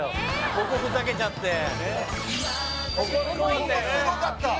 ここふざけちゃってここすごかった・